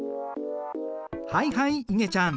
はいはいいげちゃん。